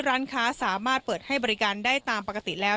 ร้านค้าสามารถเปิดให้บริการได้ตามปกติแล้ว